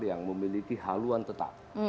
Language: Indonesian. yang memiliki haluan tetap